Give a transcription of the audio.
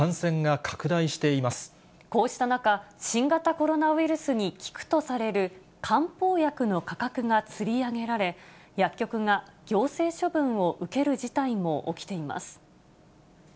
こうした中、新型コロナウイルスに効くとされる漢方薬の価格がつり上げられ、薬局が行政処分を受ける事態も起きています。